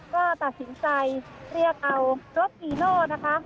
ก็ตัดสินใจเรียกเอารถจีโน่นะคะ